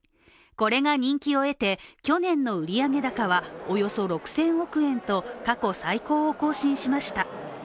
これが人気を得て去年の売上高はおよそ６０００億円と過去最高を更新しました。